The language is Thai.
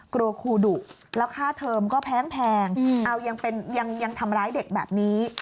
ครูดุแล้วค่าเทอมก็แพงเอายังทำร้ายเด็กแบบนี้